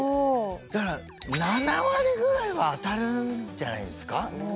だから７割ぐらいは当たるんじゃないですか。